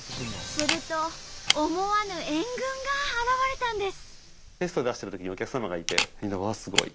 すると思わぬ援軍が現れたんです。